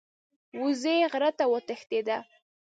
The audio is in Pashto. وزې غره ته وتښتیده.